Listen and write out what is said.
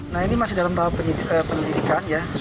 nah ini masih dalam tahap penyelidikan ya